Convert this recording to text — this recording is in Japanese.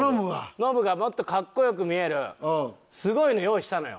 ノブがもっとかっこよく見えるすごいの用意したのよ。